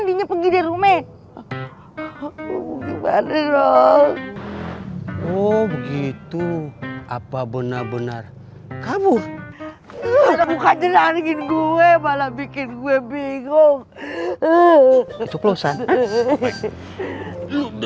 di rumah oh begitu apa benar benar kabur bukan jaringin gue malah bikin gue bingung